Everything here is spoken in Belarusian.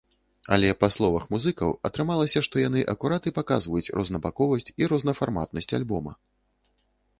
Але па словах музыкаў, атрымалася, што яны акурат і паказваюць рознабаковасць і рознафарматнасць альбома.